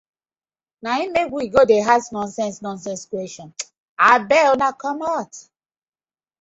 Na im mek we go dey ask nonsense nonsense question, abeg una komot.